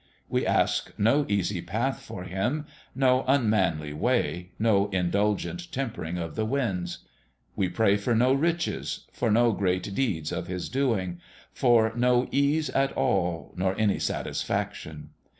We ask no easy path for him no unmanly way no indulgent tempering of the winds. We pray for no riches for no great deeds of his doingfor no ease at all nor any satisfaction.